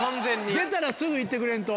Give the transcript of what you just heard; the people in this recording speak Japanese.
出たらすぐ言ってくれんと。